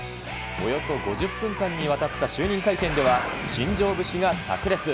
およそ５０分間にわたった就任会見では、新庄節が炸裂。